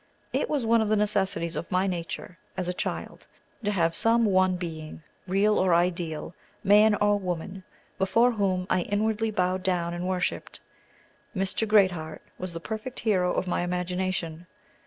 It was one of the necessities of my nature, as a child, to have some one being, real or ideal, man or woman, before whom I inwardly bowed down and worshiped. Mr. Great Heart was the perfect hero of my imagination.